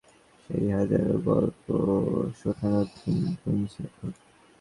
দেশে ফিরে চায়ের আড্ডায় সবাইকে সেই হাজারো গল্প শোনানোর দিন গুনছি এখন।